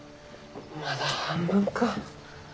まだ半分か。